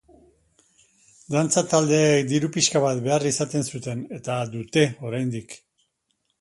Dantza taldeek diru pixka bat behar izaten zuten, eta dute oraindik.